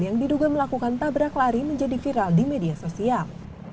yang diduga melakukan tabrak lari menjadi viral di media sosial